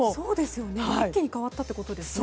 一気に変わったってことですね。